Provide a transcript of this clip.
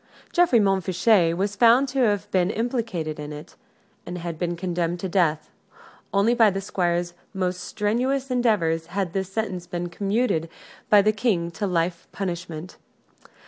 Geoffrey Montfichet was found to have been implicated in it, and had been condemned to death. Only by the Squire's most strenuous endeavors had this sentence been commuted by the King to life punishment.